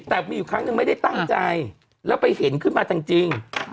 แต่มีอยู่ครั้งหนึ่งไม่ได้ตั้งใจแล้วไปเห็นขึ้นมาจริง